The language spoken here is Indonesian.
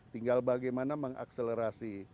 tinggal bagaimana mengakselerasi